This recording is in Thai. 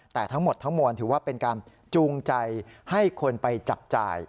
แต่ทั้งหมดทั้งมวลถือว่าเป็นการจูงใจให้คนไปจับจ่าย